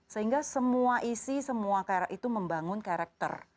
sehingga semua isi semua karakter itu membangun karakter